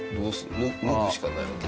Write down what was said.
脱ぐしかないわけ？